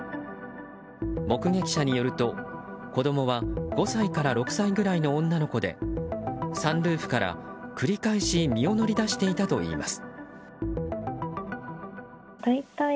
目撃者によると、子供は５歳から６歳ぐらいの女の子でサンルーフから繰り返し身を乗り出していたといいます。